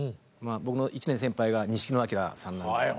僕の１年先輩が錦野旦さんなんで。